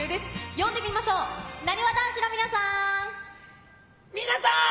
呼んでみましょう、なにわ男子の皆さん！